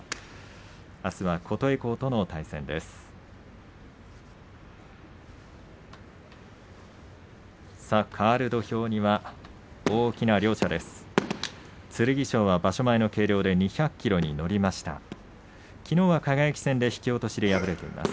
あすは琴恵光と対戦します。